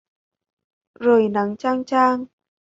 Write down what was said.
Rời nắng chang chang